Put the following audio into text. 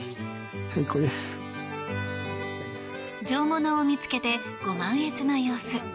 上物を見つけてご満悦の様子。